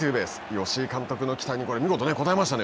吉井監督の期待に、これ、見事に応えましたね。